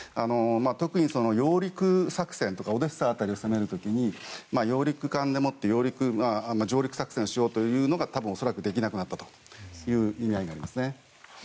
特に揚陸作戦とかオデーサ辺りを攻める時に揚陸艦でもって上陸作戦しようというのが恐らくできなくなったという意味合いになりますね。